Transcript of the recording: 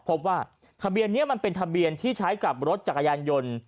พบว่าทะเบียนนี้มันเป็นทะเบียนที่ใช้กับรถจักรยานยนต์